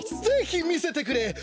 ぜひみせてくれ！